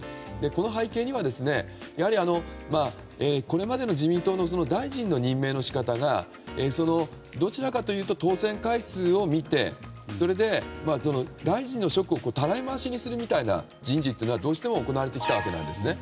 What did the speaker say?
この背景には、これまでの自民党の大臣の任命の仕方がどちらかというと当選回数を見てそれで、大臣の職をたらい回しにするような人事というのは、どうしても行われてきたわけなんですね。